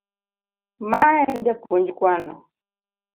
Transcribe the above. Ma en japuonj Kwano.